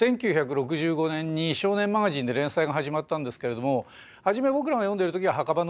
１９６５年に「少年マガジン」で連載が始まったんですけれどもはじめ僕らが読んでる時は「墓場の鬼太郎」でした。